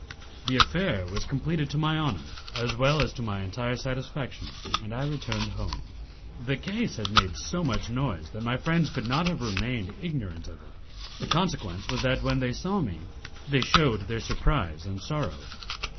The affair was completed to my honour as well as to my entire satisfaction, and I returned home. The case had made so much noise that my friends could not have remained ignorant of it; the consequence was that, when they saw me, they shewed their surprise and sorrow.